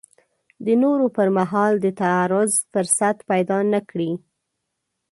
د نورو پر مال د تعرض فرصت پیدا نه کړي.